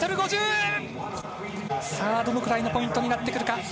どのくらいのポイントになってくるか。